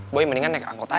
boy mendingan naik angkot aja